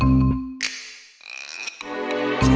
หลักน้ำเลยครับ